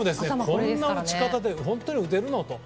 こんな打ち方で本当に打てるの？と。